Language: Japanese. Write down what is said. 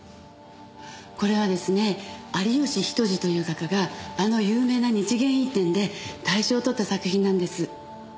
これはですね有吉比登治という画家があの有名な日芸院展で大賞をとった作品なんです。